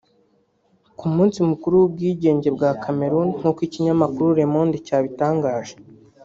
ku munsi mukuru w’ubwigenge bwa Cameroun nkuko ikinyamakuru le Monde yabitangaje